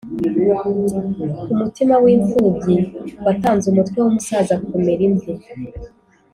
Umutima w’imfubyi watanze umutwe w’umusaza kumera imvi.